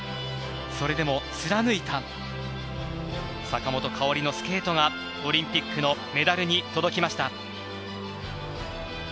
それでも貫いた坂本花織のスケートがオリンピックのメダルに届きました。